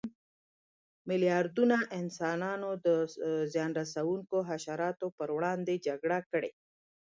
میلیاردونه انسانانو د زیان رسونکو حشراتو پر وړاندې جګړه کړې.